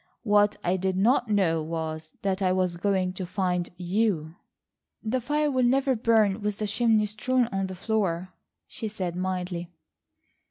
What I did not know was that I was going to find you." "The fire will never burn with the chimney strewn on the floor," she said mildly.